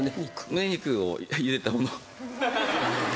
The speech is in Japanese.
胸肉をゆでたもの。